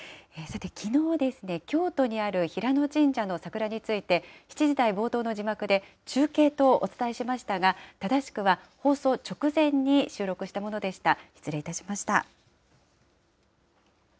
さて、きのう、京都にある平野神社の桜について、７時台冒頭の字幕で、中継とお伝えしましたが、正しくは放送直前に収録したものでした。